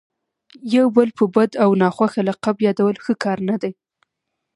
یو بل په بد او ناخوښه لقب یادول ښه کار نه دئ.